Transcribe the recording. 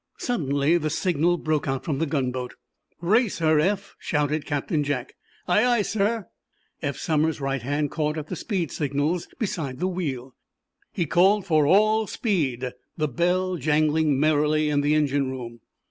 Suddenly the signal broke out from the gunboat. "Race her, Eph!" shouted Captain Jack. "Aye, aye, sir!" Eph Somers's right hand caught at the speed signals beside the wheel. He called for all speed, the bell jangling merrily in the engine room.